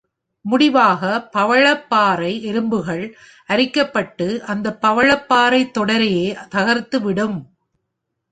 முடிவாக, பவழப்பாறை எலும்புகள் அரிக்கப்பட்டு, அந்த பவழப்பாறை தொடரையே தகர்த்துவிடும்.